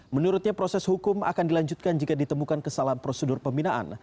menurutnya proses hukum akan dilanjutkan jika ditemukan kesalahan prosedur pembinaan